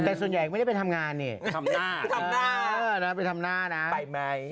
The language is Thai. แต่ส่วนใหญ่ไม่ได้ไปทำงานนี่ทำหน้าไปทำหน้านะไปไหม